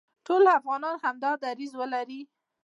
ټول افغانان همدا دریځ ولري،